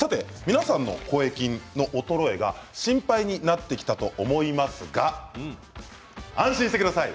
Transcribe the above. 皆さんの声筋の衰えが心配になってきたと思いますが安心してください！